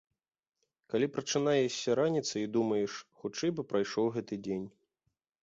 Калі прачынаешся раніцай і думаеш, хутчэй бы прайшоў гэты дзень.